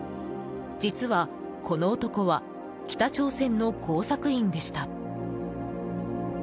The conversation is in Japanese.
実は、この男は北朝鮮の工作員でした。